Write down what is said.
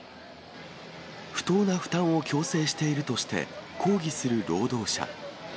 不当な負担を強制しているとして、抗議する労働者。